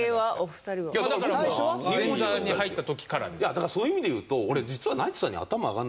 だからそういう意味でいうと俺実は。